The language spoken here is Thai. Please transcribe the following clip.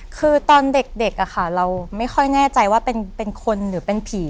คือตอนเด็กเราไม่ค่อยแน่ใจว่าเป็นคนหรือเป็นผี